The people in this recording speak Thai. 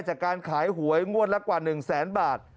จากการขายหวยงวดละกว่า๑แสนบาท